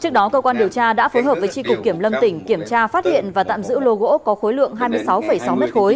trước đó cơ quan điều tra đã phối hợp với tri cục kiểm lâm tỉnh kiểm tra phát hiện và tạm giữ lô gỗ có khối lượng hai mươi sáu sáu m ba